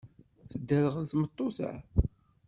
Tedderɣel tmeṭṭut-a.